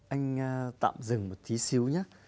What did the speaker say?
anh tạm dừng một tí xíu nhé